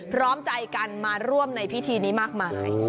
พร้อมใจกันมาร่วมในพิธีนี้มากมาย